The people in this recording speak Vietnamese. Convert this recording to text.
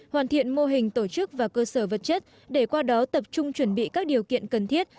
hoàn thiện mô hình tổ chức và cơ sở vật chất để qua đó tập trung chuẩn bị các điều kiện cần thiết